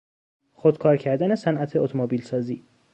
خودکار کردن صنعت اتومبیل سازی